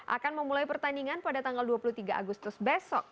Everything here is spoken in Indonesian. akan memulai pertandingan pada tanggal dua puluh tiga agustus besok